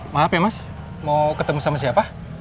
maaf ya mas mau ketemu sama siapa